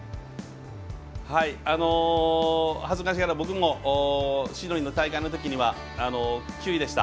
恥ずかしながら僕もシドニーの大会のときには９位でした。